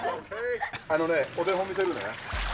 あのね、お手本見せるね。